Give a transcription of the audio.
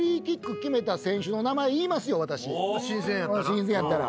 新鮮やったら？